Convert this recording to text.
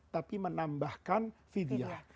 tapi menambahkan fidyah